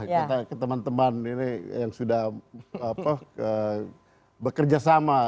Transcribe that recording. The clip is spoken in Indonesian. kita ke teman teman ini yang sudah bekerja sama